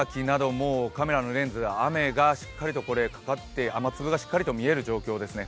もうカメラのレンズに雨がしっかりとかかって、雨粒がしっかりと見える状況ですね。